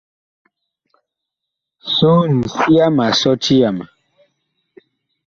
Soon, sia ma sɔti yama.